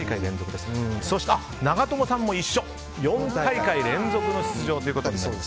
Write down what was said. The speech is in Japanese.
そして、長友さんも一緒４大会連続の出場になると。